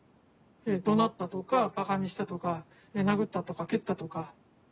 怒鳴ったとかバカにしたとか殴ったとか蹴ったとか。